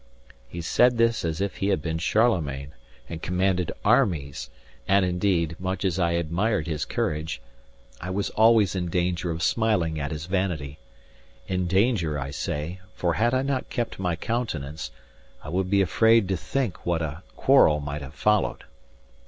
He said this as if he had been Charlemagne, and commanded armies; and indeed, much as I admired his courage, I was always in danger of smiling at his vanity: in danger, I say, for had I not kept my countenance, I would be afraid to think what a quarrel might have followed.